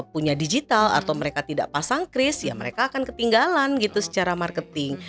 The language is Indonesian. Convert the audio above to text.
punya digital atau mereka tidak pasang cris ya mereka akan ketinggalan gitu secara marketing